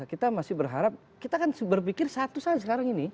kita masih berharap kita kan berpikir satu saja sekarang ini